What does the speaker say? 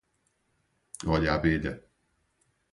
olhe a abelha